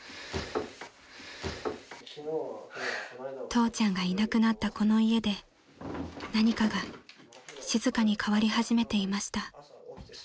［父ちゃんがいなくなったこの家で何かが静かに変わり始めていました］